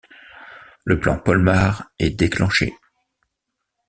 Le plan Polmar est déclenché.